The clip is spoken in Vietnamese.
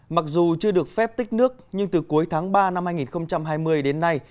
mặc dù chưa được phép tích nước nhưng từ cuối tháng ba năm hai nghìn hai mươi đến nay